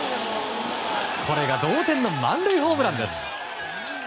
これが同点の満塁ホームランです。